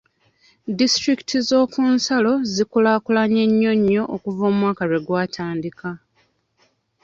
Disitulikiti z'okunsalo zi kulaakulanye nnyo nnyo okuva omwaka lwe gwatandika.